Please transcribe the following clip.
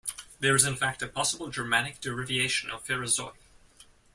There is in fact a possible Germanic derivation of Phiraisoi.